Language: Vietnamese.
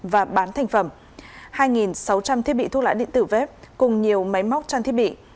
và bán thành phẩm hai sáu trăm linh thiết bị thuốc lá điện tử vép cùng nhiều máy móc trang thiết bị